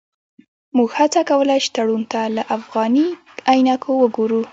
موږ هڅه کوله چې تړون ته له افغاني عینکو وګورو.